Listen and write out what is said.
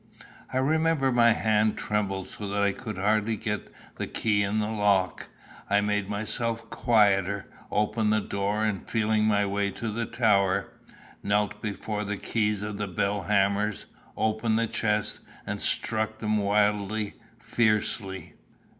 I remember my hand trembled so that I could hardly get the key into the lock. I made myself quieter, opened the door, and feeling my way to the tower, knelt before the keys of the bell hammers, opened the chest, and struck them wildly, fiercely.